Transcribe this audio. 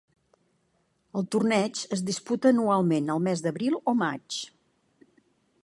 El torneig es disputa anualment el mes d'abril o maig.